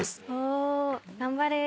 頑張れ！